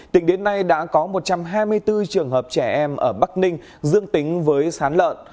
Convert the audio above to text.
tỉnh đến nay đã có một trăm hai mươi bốn trường hợp trẻ em ở bắc ninh dương tính với sán lợn